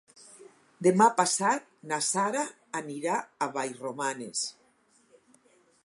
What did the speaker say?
Demà passat na Sara anirà a Vallromanes.